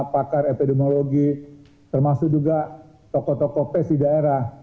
pakar epidemiologi termasuk juga tokoh tokoh pes di daerah